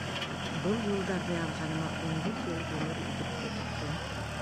Был юлдарҙы яҙғаныма ун дүрт йыл ғүмер үтеп тә киткән.